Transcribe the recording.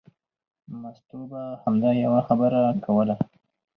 مستو به همدا یوه خبره کوله.